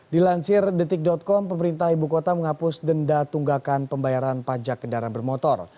dilansir detik com pemerintah ibu kota menghapus denda tunggakan pembayaran pajak kendaraan bermotor